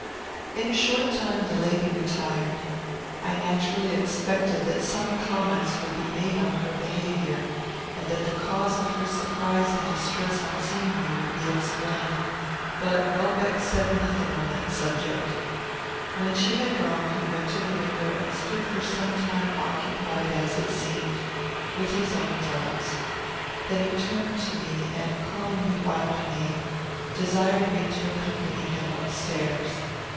In a short time the lady retired. I naturally expected that some comments would be made on her behaviour, and that the cause of her surprise and distress on seeing me would be explained; but Welbeck said nothing on that subject. When she had gone, he went to the window and stood for some time occupied, as it seemed, with his own thoughts. Then he turned to me, and, calling me by my name, desired me to accompany him up stairs.